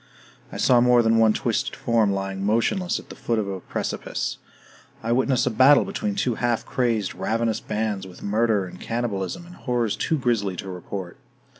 I saw more than one twisted form lying motionless at the foot of a precipice. I witnessed a battle between two half crazed, ravenous bands, with murder, and cannibalism, and horrors too grisly to report.